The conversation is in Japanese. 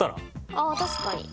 ああ確かに。